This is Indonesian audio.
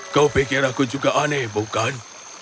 kau pikir aku juga aneh bukan